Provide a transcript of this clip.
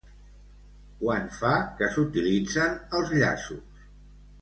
Quant fa que s'utilitzen els llaços?